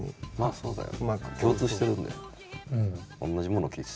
そうだね。